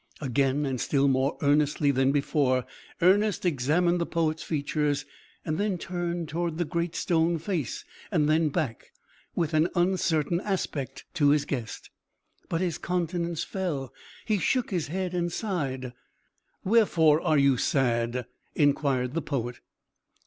Again, and still more earnestly than before, Ernest examined the poet's features; then turned towards the Great Stone Face; then back, with an uncertain aspect, to his guest. But his countenance fell; he shook his head, and sighed. "Wherefore are you sad?" inquired the poet.